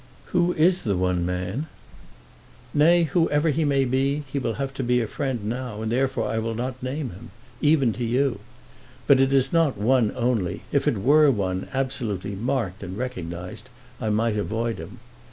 "Who is the one man?" "Nay; whoever he be, he will have to be a friend now, and therefore I will not name him, even to you. But it is not one only. If it were one, absolutely marked and recognised, I might avoid him.